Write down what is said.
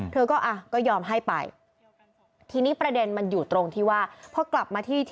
เธอก็อ่ะก็ยอมให้ไปทีนี้ประเด็นมันอยู่ตรงที่ว่าพอกลับมาที่